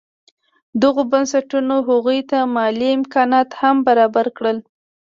دغو بنسټونو هغوی ته مالي امکانات هم برابر کړل.